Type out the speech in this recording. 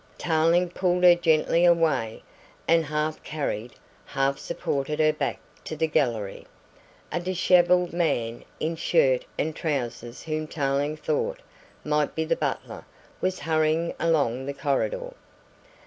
Tarling pulled her gently away, and half carried, half supported her back to the gallery. A dishevelled man in shirt and trousers whom Tarling thought might be the butler was hurrying along the corridor.